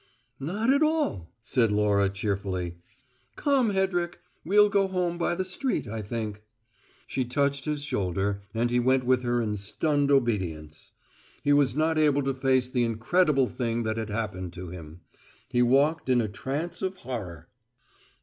"Not at all," said Laura cheerfully. "Come, Hedrick. We'll go home by the street, I think." She touched his shoulder, and he went with her in stunned obedience. He was not able to face the incredible thing that had happened to him: he walked in a trance of horror.